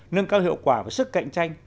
nâng cao hiệu quả và sức cạnh tranh